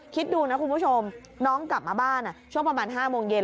คิดดูนะคุณผู้ชมน้องกลับมาบ้านช่วงประมาณ๕โมงเย็น